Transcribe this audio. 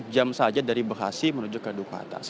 satu jam saja dari bekasi menuju ke dukatas